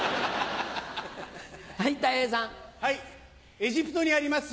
エジプトにあります